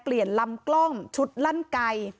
เปลี่ยนลำกล้องชุดลั่นไก่